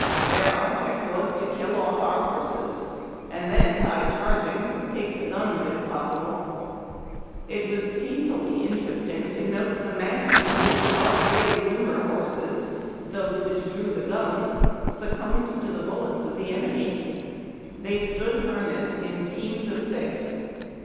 Their object was to kill off our horses, and then, by charg ing, take the guns, if possible. It was painfully interesting to note the manner in which our brave limber horses — those which drew the guns — succumbed to the bullets of the enemy. They stood har nessed in teams of six.